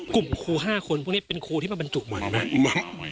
กลุ่มครู๕คนพวกนี้เป็นครูที่มาบรรจุใหม่นะ